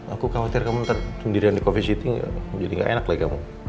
aku khawatir kamu ntar sendirian di coffee city jadi gak enak lah kamu